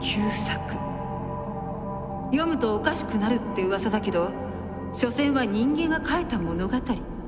読むとおかしくなるって噂だけどしょせんは人間が書いた物語。